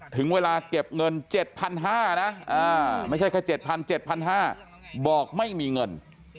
ถึงเวลาเก็บเงิน๗๕๐๐นะไม่ใช่แค่๗๐๐๗๕๐๐บาทบอกไม่มีเงิน